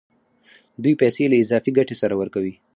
دوی پیسې له اضافي ګټې سره ورکوي